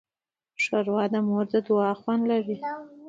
ښوروا د مور د دعا خوند لري.